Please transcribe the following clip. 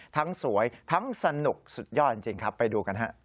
ทั้งสวยทั้งสนุกสุดยอดจริงครับไปดูกันฮะ